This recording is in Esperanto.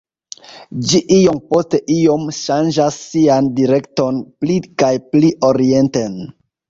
Ĝi iom post iom ŝanĝas sian direkton pli kaj pli orienten.